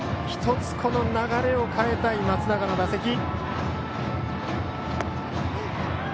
１つ流れを変えたい松永の打席。